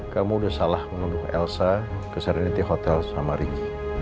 kamu udah salah menunduk elsa ke serenity hotel sama ricky